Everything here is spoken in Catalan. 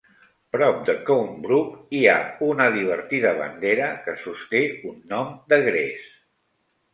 Prop de Cound Brook, hi ha una divertida bandera que sosté un gnom de gres.